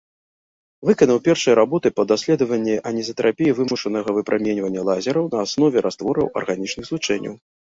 Выканаў першыя работы па даследаванні анізатрапіі вымушанага выпраменьвання лазераў на аснове раствораў арганічных злучэнняў.